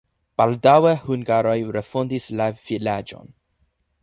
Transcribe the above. Baldaŭe hungaroj refondis la vilaĝon.